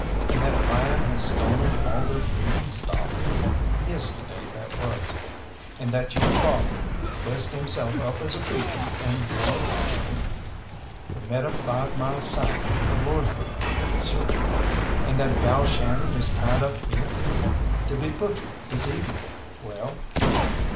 "And that Ryan has stolen all their breeding stock?" "Yesterday that was." "And that yo' father dressed himself up as a preacher, and warned Jim?" "They met up five mile south of Lordsburgh. Yessir." "And that Balshannon is tied up here?" "To be butchered this evening. Well?"